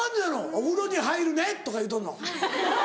「お風呂に入るね！」とか言うとんの？